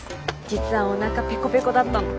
実はおなかペコペコだったの。